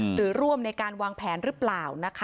หรือร่วมในการวางแผนหรือเปล่านะคะ